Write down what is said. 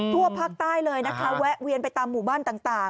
ทั่วภาคใต้เลยนะคะแวะเวียนไปตามหมู่บ้านต่าง